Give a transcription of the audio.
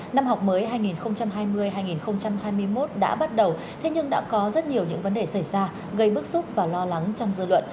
năm học mới hai nghìn hai mươi hai nghìn hai mươi một đã bắt đầu thế nhưng đã có rất nhiều những vấn đề xảy ra gây bức xúc và lo lắng trong dư luận